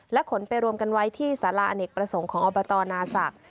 ขนไปรวมกันไว้ที่สาราอเนกประสงค์ของอบตนาศักดิ์